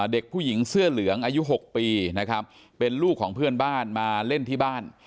เด็กผู้หญิงเสื้อเหลืองอายุ๖ปีนะครับเป็นลูกของเพื่อนบ้านมาเล่นที่บ้าน